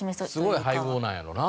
すごい配合なんやろうな。